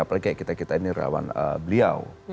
apalagi kita kita ini rawan beliau